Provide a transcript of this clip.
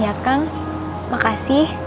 ya kang makasih